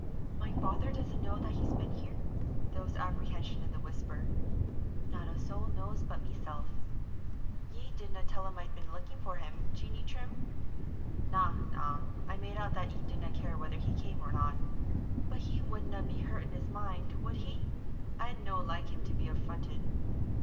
'My father doesn't know that he's been here?' There was apprehension in the whisper. 'Not a soul knows but meself.' 'Ye didna tell him I'd been looking for him, Jeanie Trim?' 'Na, na, I made out that ye didna care whether he came or not.' 'But he wouldna be hurt in his mind, would he? I'd no like him to be affronted.'